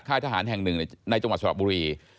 ทหารแห่งหนึ่งในจังหวัดสระบุรี